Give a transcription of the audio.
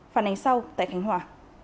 phản ánh sau tại khánh hòa